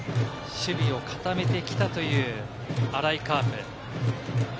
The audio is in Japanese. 守備を固めてきたという、新井カープ。